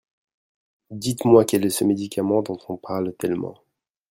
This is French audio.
Dites-moi quel est ce médicament dont on parle tellement.